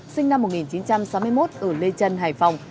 sinh năm một nghìn chín trăm sáu mươi một ở lê trân hải phòng